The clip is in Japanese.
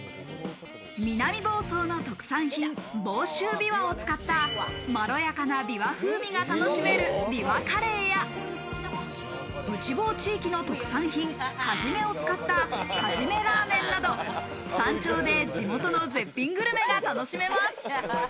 南房総の特産品・房州びわを使ったまろやかな、びわ風味が楽しめる、びわカレーや内房地域の特産品かじめを使った、かじめラーメンなど山頂で地元の絶品グルメが楽しめます。